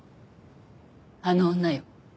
あの女よ。